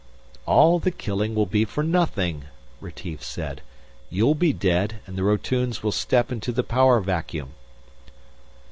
"All the killing will be for nothing," Retief said. "You'll be dead and the Rotunes will step into the power vacuum."